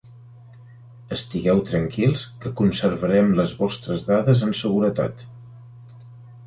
Estigueu tranquils que conservarem les vostres dades amb seguretat.